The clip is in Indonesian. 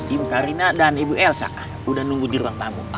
ibu karina dan ibu elsa sudah nunggu di ruang tamu